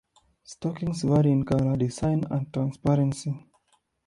Stockings vary in color, design, and transparency.